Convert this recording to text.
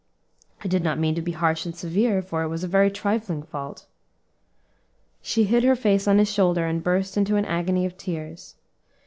I did not mean to be harsh and severe, for it was a very trifling fault." She hid her face on his shoulder and burst into an agony of tears.